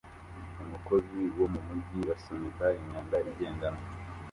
Umukozi wo mu mujyi asunika imyanda igendanwa